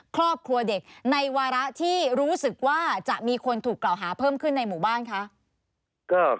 ครอบครัวเด็กในวาระที่รู้สึกว่าจะมีคนถูกกล่าวหาเพิ่มขึ้นในหมู่บ้านคะ